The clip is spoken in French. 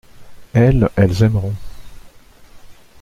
Elles, elles aimeront.